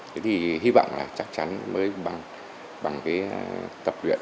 thế thì hy vọng là chắc chắn mới bằng cái tập luyện